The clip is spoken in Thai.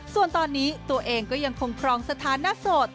ส่วนตอนนี้ตัวเองก็ยังคงครองสถานะโสด